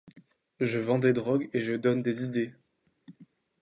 Je vends des drogues et je donne des idées.